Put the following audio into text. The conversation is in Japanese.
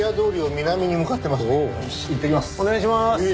お願いします。